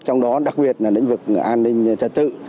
trong đó đặc biệt là lĩnh vực an ninh trật tự